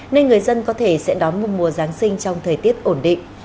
nên người dân có thể sẽ đón một mùa giáng sinh trong thời tiết ổn định